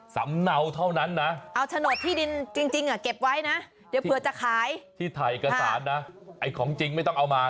สำเนาเท่านั้นนะเอาโฉนดที่ดินจริงเก็บไว้นะเดี๋ยวเผื่อจะขายที่ถ่ายเอกสารนะไอ้ของจริงไม่ต้องเอามา